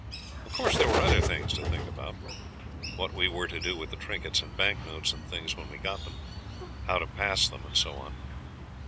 Of course there were other things to think about: what we were to do with the trinkets and bank notes and things when we got them how to pass them, and so on.